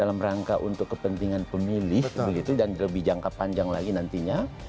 dalam rangka untuk kepentingan pemilih begitu dan lebih jangka panjang lagi nantinya